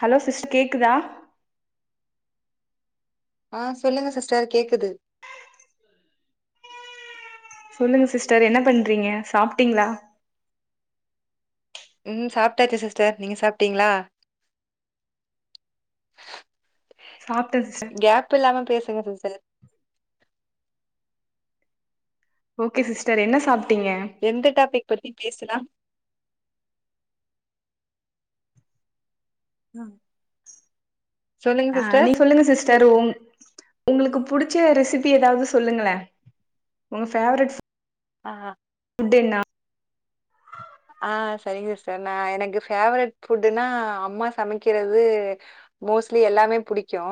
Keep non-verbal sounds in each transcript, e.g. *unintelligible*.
Hello sister கேக்குதா ஆ சொல்லுங்க சிஸ்டர் கேக்குது சொல்லுங்க சிஸ்டர் என்ன பண்றீங்க சாப்ட்டிங்ளா ம் சாப்ட்டாச்சி சிஸ்டர் நீங்க சாப்ட்டீங்ளா சாப்ட்டே சிஸ்டர் கேப் இல்லாம பேஸ் *unintelligible* சிஸ்டர் ஓகே சிஸ்டர் என்ன சாப் எந்த டாபிக் பத்தி பேசலா ம் சொல்லுங்க ஆ சிஸ்டர் நீ சொல்லுங்க சிஸ்டர் உங் உங்ளுக்கு புடிச்ச ரெசிபி ஏதாவ்து சொல்லுங்களே உங்க ஃபேவரட் ஆ ஃபுட் என்னா ஆ செரிங்க ஸ்டர் நா எனக்கு ஃபேவரட் ஃபுட்டுன்னா அம்மா சமக்கிறது மோஸ்ட்லி எல்லாமே புடிக்கூ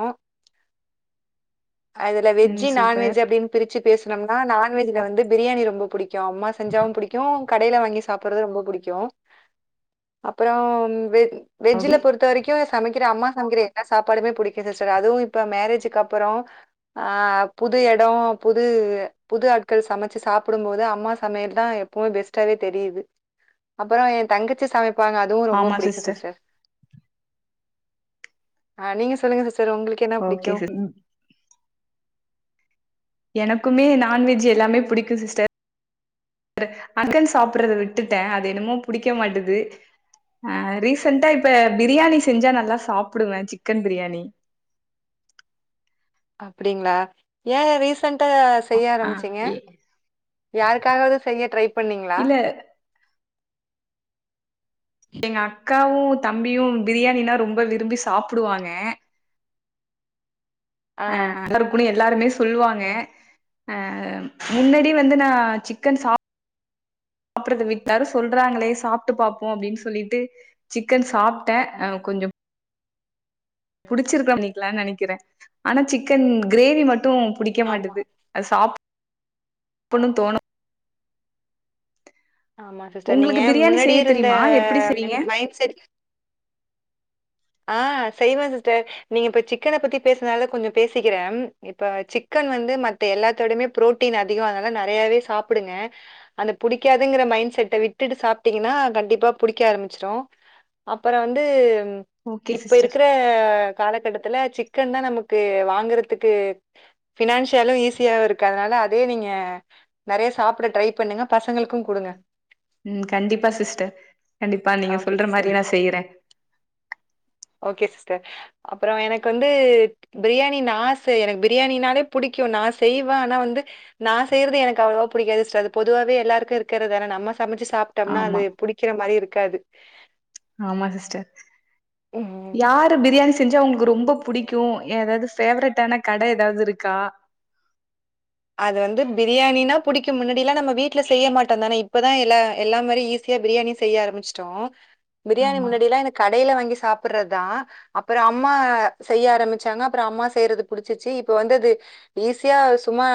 அதுல ம் வெஜ்ஜு சூப்பர் நான்வெஜ் அப்டின்னு பிரிச்சு பேசணம்னா நான்வெஜ்ல வந்து பிரியாணி ரொம்போ ச அம்மா செஞ்சாலு புடிக்கூ கடைல வாங்கி சாப்ட்றது ரொம்ப புடிக்கூ அப்றோ வெ வெஜ்ல ஓகே பொறுத்த வரைக்கூ சமைக்ற அம்மா சமைக்ற எல்லா சாப்பாடுமே புடிக்கூ சிஸ்டர் அதுவூ இப்ப மேரேஜ்க்கு அப்றோ ஆ புது எடோ புது புது ஆட்கள் சமச்சு சாப்டும் போது அம்மா சமையல் தா எப்போவ் பெஸ்ட்டாவே தெரியுது அப்றோ ஏந்தங்கச்சி சமை ப்பாங்க அதுவு ரொம்போ புடிக்கூ சிஸ்டர் ஆ நீங்க சொல்லுங்க சிஸ் டர் உங்களுக்கு என்ன ஓகே புடிக்கூ சிஸ் எனக்குமே நான்வெஜ்ஜி எல்லாமே பிடிக்கூ சிஸ்டர் அங்கன் சாப்ட்றத விட்டுட்டே அது என்னமோ பிடிக்க மாட்டுது அ ரீசென்டா இப்ப பிரியாணி செஞ்சா நல்லா சாப்டுவே சிக்கன் பிரியாணி அப்டிங்ளா ஏ ரீஸ் சென்டா செய்ய ஆ ஆரம்பிச்சிங்க இ யாருக்காகவ்து செய்ய ட்ரை பண்ணீங்ளா இல்ல எங்க அக் காவூ தம்பியூ பிரியாணினா ரொம்ப விரும்பி சாப்டுவாங்க ஆ அ எல்லாக் குனியன் எல்லாருமே சொல்லுவாங்க அ முன்னாடி வந்து நா சிக்கன் சாப்றத விட்டே எல்லாரு சொல்றாங்களே சாப்ட்டு பாப்போ அப்டின் சொல்லிட்டு சிக்கன் சாப்ட்ட அ கொஞ்சோ புடுச்சிருக்லா நீக்லான் நெனைக்கிறே ஆனா சிக்கன் க்ரேவி மட் ட்டூ புடிக்க ஆமா மாட்டுது அத் சாப் ப்புண்ணு தோணு ஆமா சிஸ்டர் நீங்க உங்களுக்கு பிரியாணி முன்னாடி செய்ய இருந்த தெரியுமா எப்டி மெ செய்வீங்க மைண்ட் செட் ஆ செய்வே சிஸ்டர் நீங்க இப்ப சிக்கன பத்தி பேஸ்னால கொஞ்ச பேசிக்கிற இப்ப சிக்கன் வந்து மத்த எல்லாத்தோடைமே புரோட்டீன் அதிகோ அதால நெறையாவே சாப்புடுங்க அந்த புடிக்காதுங்குற மைண்ட் செட்ட விட்டுட்டு சாப்ட்டீங்கன்னா கண்டிப்பா புடிக்க ஆரம்பிச்சிரு அப்பற வந்து ஓகே இப்ப சிஸ்டர் இருக்குற காலகட்டத்துல சிக்கன்தா நமக்கு வாங்கறதுக்கு ஃபினான்சியலு ஈஸியாவுருக்கு அதனால அதே நீங்க நெறையா சாப்ட ட்ரை பண்ணுங்க பசங்களுக்கு குடுங்க ம் கண்டிப்பா சிஸ்டர் கண்டிப்பா நீங்க ஓகே சொல்ற சிஸ்டர். மாரி நா செய்யற ஓகே சிஸ்டர் அப்பறோ எனக்கு வந்து பிரியாணி நா செய் எனக் பிரியாணினாலே புடிக்கு நா செய்வ ஆனா வந்து நா செய்றது எனக்கு அவ்ளவா புடிக்காது சிஸ்ட அது பொதுவாவே எல்லாருக்கு இருக்கறதான நம்ம சமைச்சு சாப்டம்னா அது ஆமா புடிக்கிற மாரிருக் காது ஆமா சிஸ்டர் ம். யாரு பிரியாணி செ செஞ்சா உங்ளுக்கு ரொம்ப புடிக்கு எதாது ஃபேவரட்டான கட எதாவுது இருக்கா அது வந்து பிரியாணினா புடிக்கு முன்னாடிலா நம்ம வீட்ல செய்ய மாட்டந்தானே இப்பதா எல்லா எல்லா மாரி ஈஸியா பிரியாணி செய்ய ஆரம்பிச்ட்டோ பிரியாணி ஆமா முன்னாடிலா எனக் கடைல வாங்கி சாப்பர்றதா அப்பற அம்மா செய்ய ஆரம்பிச்சாங்க அப்பற அம்மா செய்றது புடிச்சிர்ச்சு இப்ப வந்து து ஈஸியா சும்மா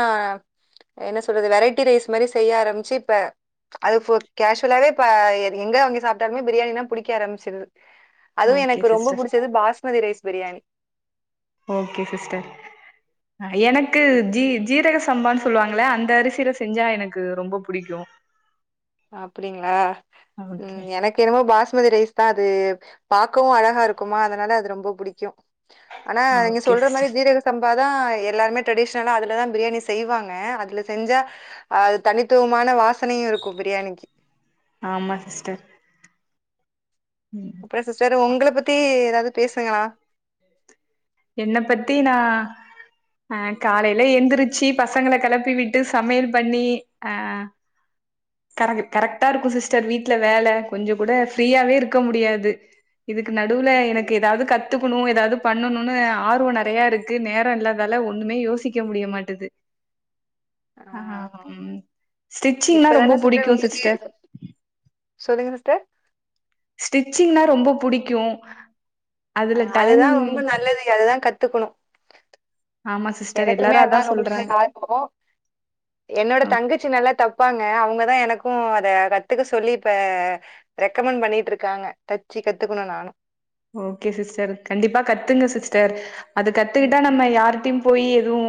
என்ன சொல்றது வெரைட்டி ரைஸ் மாரி செய்ய ஆரம்ச்சு இப்ப அது ஃபு கேஷுவ்லாவே இப்ப எ எங்க வாங்கி சாப்ட்டாலுமே பிரியாணினா புடிக்க ஆரம்பிச்சிர்து okay sister basmati rice biryani. Okay sister அ எனக் கு ஜீ ஜீ ரக சம்பான் சொல்வாங்கள அந்த அரிசில செஞ்சா எனக்கு ரொம்ப புடிக்கு அப்டிங்ளா ஓகே ம் எனக்கென்னமோ பாஸ்மதி ரைஸ் தா அது பாக்கவு அழகாருக்குமா அதனால அது ரொம்ப புடிக்கு ஆனா நீங்க ஓகே சொல்ற மாரி சிஸ்டர் ஜீரக சம்பா தா எல்லாருமே ட்ரடிஷ்னலா அதுலதா பிரியாணி செய்வாங்க அதுல செஞ்சா அது தனித்துவமான வாசனையு இரு கு பிரியாணிக்கி ஆமா சிஸ்டர் ம் அப்பறொ சிஸ்டர் உங்கள பத்தி ஏதாது பேசுங்களா என்னப் பத்தி நா ஈ காலையில எந்திரிச்சி பசங்கள கெளப்பி விட்டு சமையல் பண்ணி ஆ கரக் கரெக்ட்டா இருக்கு சிஸ்டர் வீட்ல வேல கொஞ்சங் கூட ஃப்ரீயாவே இருக்க முடியாது இதுக்கு நடுவுல எனக்கு ஏதாவ்து கத்துக்குணு ஏதாவ்து பண்ணண் னு ஆர்வொ நறையா இருக்கு நேரொ இல்லாதால ஒண்ணுமே யோசிக்க முடிய மாட்டுது ஆ ம் ஸ்டிச்சிங்னா ரொம்ப இப்பதானே புடிக்கு உங்களுக்கு சிஸ்டர் சொல்லுங்க சிஸ்டர் ஸ்டிச்சிங்னா ரொம்ப புடிக்கு அ அதுல அதுதா டைம் ரொம்ப நல்லதுங்க அதுதா கத்துக்குணு ஆமா சிஸ்டர் எனக்குமே எல்லாரு அதா ரொம்ப சொல்றாங்க *unintelligible* என்னோட தங்கச்சி நல்லா தப்பாங்க அவுங்கதா எனக் கு அத கத்துக்க சொல்லி இப்ப ரெக்கமெண் பண்ணியிட்ருக்காங்க தச்சி கத்துக்குணு நானு ஓகே சிஸ்டர் கண்டிப்பா கத்துங்க சிஸ்டர் அது கத்துக்குட்டா நம்ம யார்ட்டியு போயி எதுவு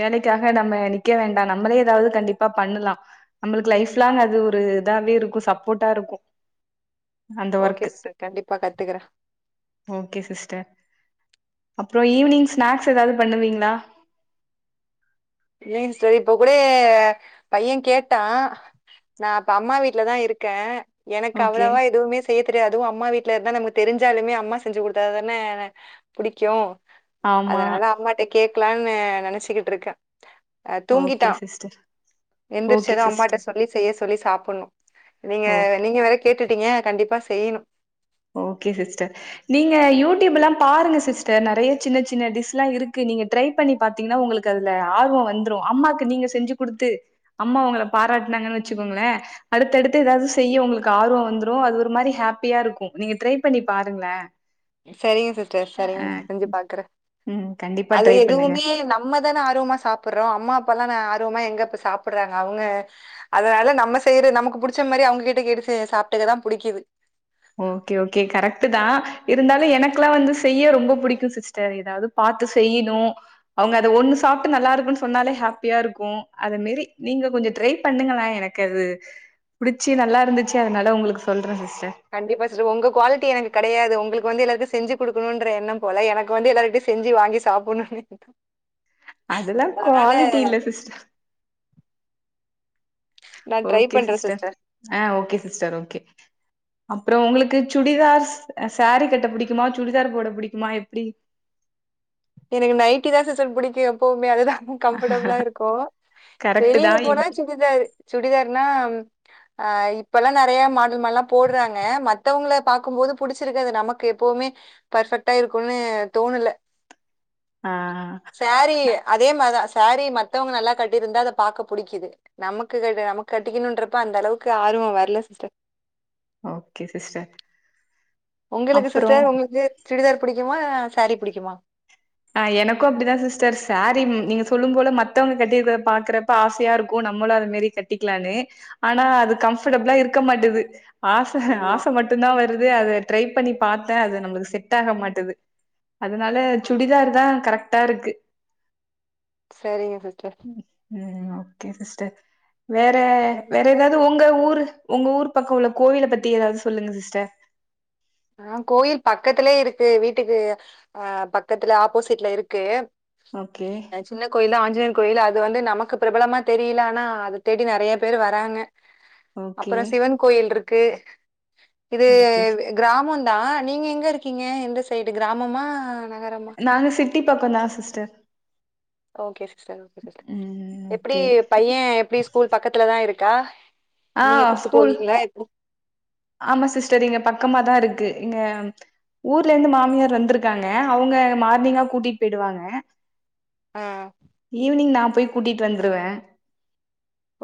வேலைக்காக நம்ம நிக்கெ வேண்டா நம்மளே ஏதாவ்து கண்டிப்பா பண்ணுலா நம்ளுக்கு லைஃப் லாங் அது ஒரு இதாவே இருக்கு சப்போர்ட்டா இருக்கூ ஓகே சிஸ்டர் கண்டிப்பா கத்துக்குறே ஓகே சிஸ்டர் அப்பறோ ஈவினிங் ஸ்நாக்ஸ் ஏதாவது பண்ணுவீங்களா ஏன் செரி இப்ப கூட பையன் கேட்டான் நான் இப்ப அம்மா வீட்லதா இருக்கே எனக்கு ஓகே அவ்வளவா எதுவுமே செய்ய தெரியாது அம்மா வீட்டு இல்ல அது நமக்கு தெரிஞ்சாலுமே அம்மா செஞ்சு கொடுத்தா தானே புடிக்கும் ஆமா அதனால அம்மாட்ட கேட் இருக்கலான்னு நேனைச்சக்கிட்டு இருக்கே அஹ் ஓகே தூங்கிட்டான் சிஸ்டர் ஓகே எந்திரிச்சதோ அம்மாட்ட சிஸ்டர் சொல்லி செய்ய சொல்லி சாப்ப *unintelligible* நீங்க ஓகே வேற நீங்க வேற கேட்டு ங்க கண்டிப்பா செய்யணும் ஓகே சிஸ்டர் நீங்க யூடியூப் எல்லாம் பாருங்க சிஸ்டர் நெறைய சின்ன சின்ன டிஷ் எல்லாம் இருக்கு நீங்க ட்ரை பண்ணி பாத்தீங்கன்னா உங்களுக்கு அதுல ஆர்வம் வந்துரும் அம்மாக்கு நீங்க செஞ்சு கொடுத்து அம்மா உங்களை பாராட்டனாங்கன்னு வச்சுக்கோங்களே அடுத்தடுத்து ஏதாவது செய்ய உங்களுக்கு ஆர்வம் வந்துரும்டும் அது ஒரு மாதிரி ஹாப்பியா இருக்கும் நீங்கள் ட்ரை பண்ணி பாருங்களே செரிங்க சிஸ்டர் செரிங்க சிஸ் செஞ்சு பாக்குறே ம் கண்டிப்பா அது ட்ரை பண்ணுங்க. எதுவுமே நம்மதான் நான் ஆர்வமா சாப்பிடுறோம் அம்மா அப்பல்லாம் நான் ஆர்வமா எங்க சாப்பிடுறாங்க அவுங்க அதனால நம்ம செய்யற நமக்கு புடிச்ச மாதிரி அவுங்ககிட்ட கேட்டுச்ச சாப்ட்டுக்கதான் புடிக்குது ஓகே ஓகே கரெக்ட் தான் இருந்தாலும் எனக்குல்லாம் வந்து செய்ய ரொம்ப பிடிக்கும் சிஸ்டர் ஏதாவது பார்த்து செய்யணும் அவங்க அதை ஒண்ணு சாப்பிட்டு நல்லா இருக்குனு சொன்னாலே ஹாப்பியா இருக்கும் அது மாரி நீங்க கொஞ்சம் ட்ரை பண்ணுங்கள எனக்கு அது புடிச்சு நல்லா இருந்துச்சு அதனால உங்களுக்கு சொல்றேன் சிஸ்டர் கண்டிப்பா சிஸ்டர் உங்க குவாலிட்டி எனக்கு குடையாது உங்களுக்கு வந்து எல்லாருக்கும் செஞ்சு கொடுக்கணும்ன்ற எண்ணம் போல எனக்கு வந்து எல்லாரருட்டையும் செஞ்சு வாங்கி சாப்பிடணும்னு அதெல்லாம் குவாலிட்டி இல்ல சிஸ்டர் நான் ட்ரை ஓகே பண்றேன் சிஸ்டர் ஆ ஓகே சிஸ்டர் ஓகே அப்றோ உங்களுக்கு ச்சுடிதார்ஸ் அ சாரீ கட்ட புடிக்குமா சசுடிதார் போட புடிக்குமா எப்டி எனக்கு நைட்டி தா சிசர் புடிக்கு எப்பவுமே அதுதா கம்ஃபர்டபுளா இருக்கு கரெக்ட்டு வெளில தான். போனா இப் சுடிதாரு சுடிதார்னா அ இப்பல்லா நறைய மாடல் மால்லா போடுறாங்க மத்தவுங்ள பாக்கும்போது புடிச்சிருக்கது நமக்கு எப்பவுமே பர்ஃபக்ட்டா இருக்குன்னு தோணல ஆ சாரீ அதே மார்தா சேரீ மத்தவங்க நல்லா கட்டிருந்தா அத பாக்க புடிக்குது நமுக்கு கட் நமக் கட்டிக்கணுன்றப்ப அந்த அளவுக்கு ஆர்வோ வர்ல சிஸ்டர் ஓகே சிஸ்டர் உங்களுக்கு அப்புறம் சிஸ்டர் உங்களுக்கு சுடிதார் புடிக்குமா சாரீ புடிக்குமா அ எனக்கு அப்டிதா சிஸ்டர் சாரி ம் நீங்க சொல்லும் போல மத்தவங்க கட்டிர்க்றத பாக்குறப்ப ஆசையா இருக்கு நம்மளு அது மேரி கட்டிக்லான்னு ஆனா அது கம்ஃபர்டபுளா இருக்க மாட்டுது ஆச ஆமா ஆச மட்டுந்தா வரு து அத ட்ரை பண்ணி பாத்த அது நம்ளுக்கு செட்டாக மாட்டுது அதுனால ஆ, சுடிதார் தா கரக் டா இருக்கு சரிங்க சிஸ்டர் ம் ஓகே சிஸ்டர் வேற வேற சிஸ்டர் ஏதாவ்து உங்க ஊரு உங்க ஊர் பக்குள்ள கோவில பத்தி ஏதாவது சொல்லுங்க சிஸ்டர் ஆ கோயில் பக்கத்துலே இருக்கு வீட்டுக்கு அ பக்கத்துல ஆப்போசிட்ல இருக்கு ஓகே அ சின்ன கோயிலு ஆஞ்சினே கோயிலு அது வந்து நமக்கு பிரபலமா தெரில ஆனா அத தேடி நறையா பேரு வராங்க ஓகே அப்பறோ சிவன் கோயில்ருக் கு இது ஓகே முந்தா நீங்க எங்க இருக்கீங்க எந்த சைடு கிராமமா ந நாங்க சிட்டி பக்கோந்தா சிஸ்டர் ஓகே சிஸ்டர் *unintelligible* ஓகே ம் எப்டி ஓகே பையன் எப்டி ஸ்கூல் பக்கத்துலதா இருக் கா ஆ நீங்க கூப்ட்டு ஸ்கூல் போவீங்ளா எ ஆமா சிஸ்டர் இங்க பக்கமாதா இருக்கு இங்க ஊர்லிந்து மாமியார் வந்துருக்காங்க அவுங்க மார்னிங்கா கூட்டிட் போயிடுவாங்க ஆ ஈவனிங் நாப் போய் கூட்டிட்டு வந்துருவே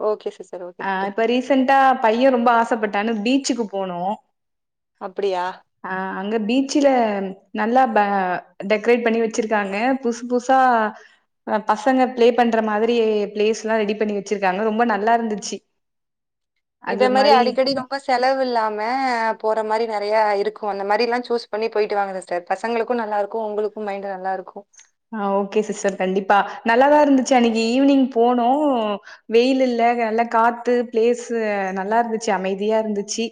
ஓகே சிஸ்டர் ஓகே ஆ சிஸ்டர் இப்ப ரீசன்டா பையன் ரொம்ப ஆச பட் டானு பி ச்சுக்கு போனோ அப்டியா ஆ அங்க பீச்சல நல்லா பா டெக்கரேட் பண்ணி வச்சிருக்காங்க புசு புசுசா பசங்க பிளே பண்ற மாதிரி பிளேஸ் எல்லாம் ரெடி பண்ணி வச்சிருக்காங்க ரொம்ப நல்லா இருந்துச்சு அது இத ஒரு மாரி அடிக்கடி ரொம்ப செலவு இல்லா ம போற மாறி நெறையா இருக்கும் அந்த மாரி எல்லாம் சூஸ் பண்ணி போயிட்டு வாங்க சிஸாடர் பசங்களுக்கும் நல்லா இருக்கும் உங்களுக்கும் மைண்டு நல்லா இருக்கும் ஆஹ் ஓகே சிஸ்டர் கண்டிப்பா நல்லாதா இருந்துச்சு அன்னைக்கு ஈவினிங் போனோம் வெயில் இல்ல நல்லா காத்து பிளேசு நல்லா இருந்துச்சு அமைதியா இருந்திச்சு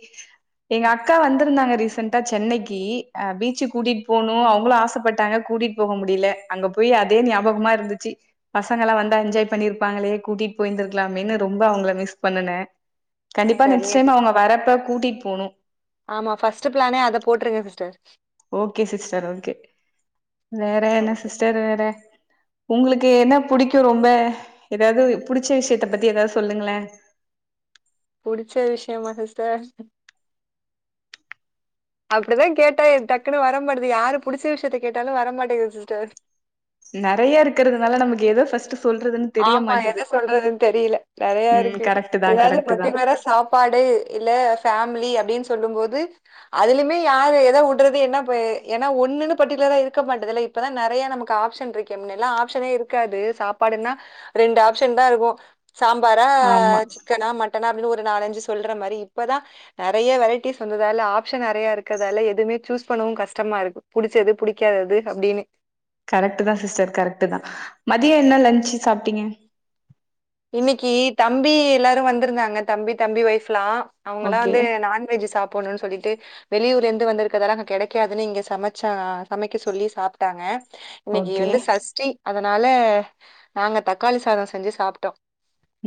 எங்க அக்கா வந்துருந்தாங்க ரீஷ் சண்ட்டா சென்னைக்கு அ பீச்சு கூட்டிட்டு போணும் அவங்களு ஆசப்பட்டாங்க கூட்டிட்டு போக முடில அங்க போய் அதே ஞாபகமா இருந்துச்சு பசங்கலாம் வந்தா என்ஜாய் பண்ணிருப்பாங்களே கூட்டிட்டு போய்ந்திருக்கலாமேனு ரொம்ப அவங்கள மிஸ் பண்ணுனேன் கண்டிப்பா நெக்ஸ்ட் சரிங்க டைம் சிஸ் அவங்க வரப்ப கூட்டிட்டு போணும். ஆமா ஃபர்ஸ்ட் பிளானே அத போட்ருங்க சிஸ்டர் ஓகே சிஸ்டர் ஓகே வேற என்ன ஓகே சிஸ்டர் வேற உங்களுக்கு என்ன புடிக்கும் ரொம்ப எதாவது புடிச்ச விஷயத்த பத்தி எதாவது சொல்லுங்களே புடிச்ச விஷயம்மா சிஸ்டர் அப்டிதா கேட்டா டக்குன்னு வர மாட்டது யாரு புடிச்ச விஷயத்த கேட்டாலும் வரமாட்டேங்குது சிஸ்டர் நெறைய இருக்கறதுனால நமக்கு எத ஃபர்ஸ்ட் ஆமா எத சொல்றதுன் தெரில நெறையா ம் இருக்கு கரெக்ட்டு தா எதாது கரெக்ட்டு தா பர்டிகுலரா சாப்பாடு இல்ல ஃபேமிலி அப்டின்னு சொல்லும் போது அதுலயுமே யாரு எத உடறது என்ன ப என்னா ஒண்ணுன்னு பர்டிகுலரா இருக்க மாட்டதுல இப்பதா நெறையா நமக்கு ஆப்ஷன் இருக்கே முன்னலா ஆப்ஷனே இருக்காது சாப்பாடுன்னா ரெண்டு ஆப்ஷன்தா இருக்கு சாம்பாரா ஆமா சிக்கனா மட்டனா அப்டின் ஒரு நாளஞ்சு சொல்ற மாரி இப்பதா நெறையா வெரைட்டிஸ் வந்ததால ஆப்ஷன் நெறைய இருக்கதால எதுமே சூஸ் பண்ணவு கஷ்டமா இருக்கு புடிச்சது புடிக்காதது அப்டின்னு கரெக்ட்டு தா சிஸ்டர் கரெக்ட்டு தா மதிய என்ன லன்ச்சு சாப்ட்டிங்க இன்னிக்கி தம்பி எல்லாரும் வந்துருந்தாங்க தம்பி தம்பி வைஃப் லா அவ்ங்களா ஓகே வந்து நான்வெஜ் சாப்புணும் சொல்லி ட்டே வெளியூர்ல இருந்து வந்துருக்கதாள அங்க கிடைக்காதுனு இங்க சமச்சா சமைக்க சொல்லி சாப்ட்டாங்க இன்னைக்கி ஓகே வந்து சஷ்டி அதனால நாங்க தக்காளி சாதம் செஞ்சு சாப்ட்டோம்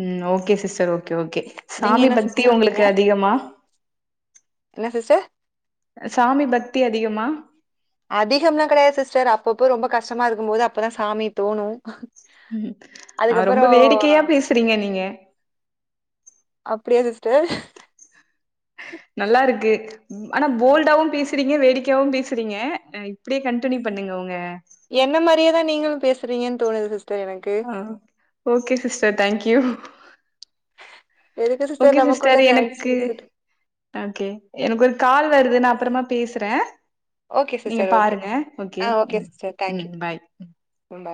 உம் ஓகே சிஸ்டர் ஓகே ஓகே நீங்க சாமி என்ன பக்தி சிஸ்டர் சாப்பிட்டீங்க உங்களுக்கு அதிகமா என்ன சிஸ்டர் சாமி பக்தி அதிகமா அதிகம்லா கடையாது சிஸ்டர் அப்பப்போ ரொம்ப கஷ்டமா இருக்கும்போது அப்பதா சாமி தோணும் ம் ஆ ரொம்ப அதுக்கப்புறம் வேடிக்கையா பேஸ்றீங்க நீங்க அப்டியா சிஸ்டர் நல்லாருக்கு ம் ஆனா போல்டாவும் பேஸ்றீங்க வேடிக்கையாவும் பேஸ்றீங்க இப்டியே கன்டினியூ பண்ணுங்க உங்க என்ன மாறியேதா நீங்களும் பேசுறீங்கன் தோணுது சிஸ் உம் ஓகே சிஸ்டர் தேங்க்யூ எதுக்கு ஓகே நமக்குள்ள சிஸ்டர் தேங்க்ஸ் எனக்கு இருக்கட்டும். ஓகே எனக்கு ஒரு கால் வருது நா அப்புறமா பேசறேன் ஓகே நீங்க சிஸ்டர் ஓகே பாருங்க ஓகே ஆ உம் சிஸ்டர் தேங்க்யூ உம் பாய் ம் பாய்